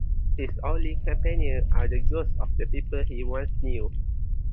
His only companions are the ghosts of the people he once knew.